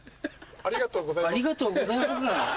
「ありがとうございます」なの？